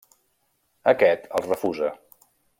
Aquest els refusa.